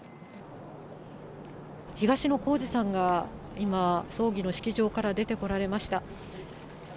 東野幸治さんが今、葬儀の式場から出てこられました。